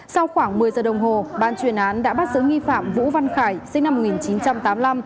sau khoảng một mươi giờ đồng hồ ban chuyên án đã bắt giữ nghi phạm vũ văn khải sinh năm một nghìn chín trăm tám mươi năm